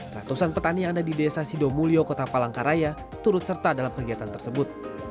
ratusan petani yang ada di desa sidomulyo kota palangkaraya turut serta dalam kegiatan tersebut